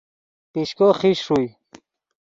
پیشکو خیش ݰوئے